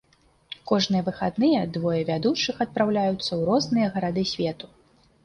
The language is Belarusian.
Кожныя выхадныя двое вядучых адпраўляюцца ў розныя гарады свету.